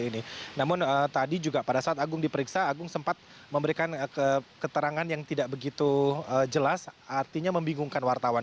namun tadi juga pada saat agung diperiksa agung sempat memberikan keterangan yang tidak begitu jelas artinya membingungkan wartawan